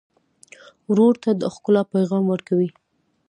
ورور ته د ښکلا پیغام ورکوې.